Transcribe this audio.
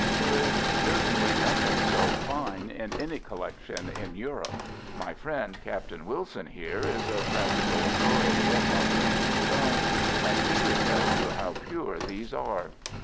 There is certainly nothing so fine in any collection in Europe. My friend, Captain Wilson here, is a practical authority upon precious stones, and he would tell you how pure these are."